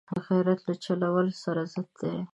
غیرت له چل ول سره ضد دی